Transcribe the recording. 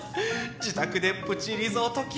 自宅でプチリゾート気分。